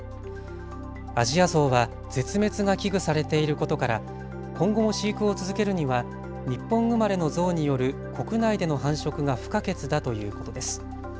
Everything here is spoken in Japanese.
アジアゾウは絶滅が危惧されていることから今後も飼育を続けるには日本生まれのゾウによる国内での繁殖が不可欠だということです。